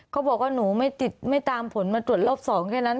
เขาบอกว่าหนูไม่ตามผลมาตรวจรอบ๒แค่นั้น